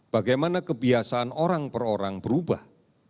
bagaimana kebiasaan orang per orang berubah